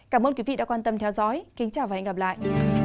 cảm ơn quý vị đã quan tâm theo dõi kính chào và hẹn gặp lại